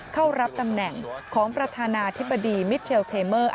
เข้ารับตำแหน่งของประธานาธิบดีมิเทลเทเมอร์